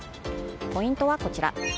ポイントはこちら。